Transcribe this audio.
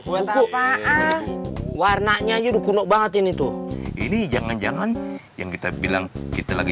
warna warnanya juga banget ini tuh ini jangan jangan yang kita bilang kita lagi